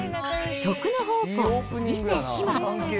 食の宝庫、伊勢志摩。